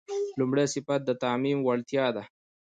لومړی صفت د تعمیم وړتیا ده.